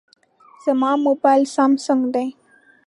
زما موبایل سامسونګ دی.